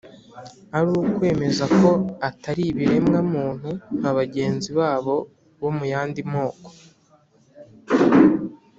ari ukwemeza ko atari ibiremwa muntu nka bagenzi babo bo mu yandi moko.